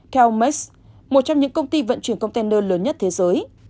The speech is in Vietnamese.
theo mes một trong những công ty vận chuyển container lớn nhất thế giới